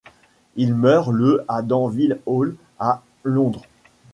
Il meurt le à Denville Hall, à Londres.